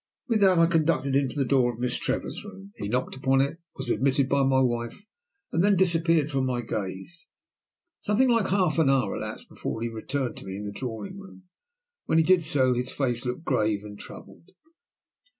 With that I conducted him to the door of Miss Trevor's room. He knocked upon it, was admitted by my wife, and then disappeared from my gaze. Something like half an hour elapsed before he returned to me in the drawing room. When he did so his face looked grave and troubled.